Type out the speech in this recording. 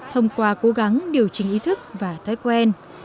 thông qua cố gắng điều trình ý thức và thái quen